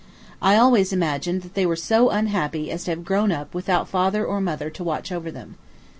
I always imagine that they were so unhappy as to have grown up without father or mother to watch over them.